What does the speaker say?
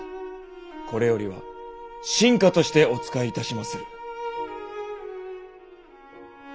これよりは臣下としてお仕えいたしまする。